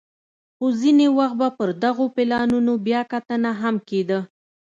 خو ځیني وخت به پر دغو پلانونو بیا کتنه هم کېده